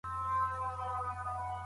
ډاکټر شاند وايي، زه هره میاشت سردرد لرم.